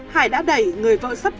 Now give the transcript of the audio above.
hải đã đẩy người vợ sắp chết